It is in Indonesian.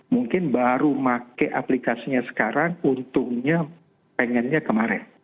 mungkin baru pakai aplikasinya sekarang untungnya pengennya kemarin